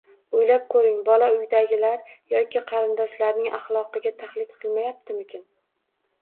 O‘ylab ko‘ring, bola uydagilar yoki qarindoshlarning axloqiga taqlid qilmayaptimikin.